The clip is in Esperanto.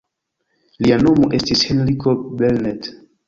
Lia nomo estis Henriko Belnett.